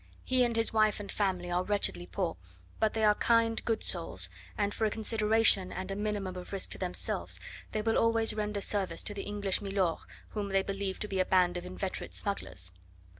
He and his wife and family are wretchedly poor, but they are kind, good souls, and for a consideration and a minimum of risk to themselves they will always render service to the English milors, whom they believe to be a band of inveterate smugglers.